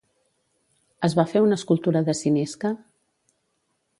Es va fer una escultura de Cinisca?